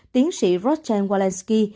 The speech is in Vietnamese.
tiến sĩ rodney walensky